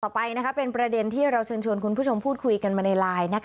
ไปเป็นประเด็นที่เราเชิญชวนคุณผู้ชมพูดคุยกันมาในไลน์